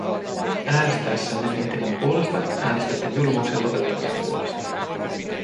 Äänestäessänne mietinnön puolesta äänestätte julmuuksien lopettamisen puolesta.